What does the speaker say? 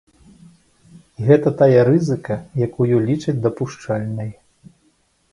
І гэта тая рызыка, якую лічаць дапушчальнай.